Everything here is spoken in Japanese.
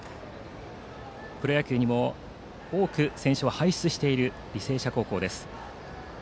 プロ野球にも多くの選手を輩出している履正社高校です。